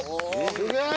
すげえ！